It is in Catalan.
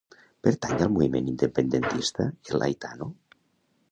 Pertany al moviment independentista el Aitano?